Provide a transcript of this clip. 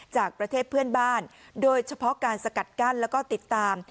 จากประเทศเพื่อนบ้านโดยเฉพาะการสกัดกั้นแล้วก็ติดตาม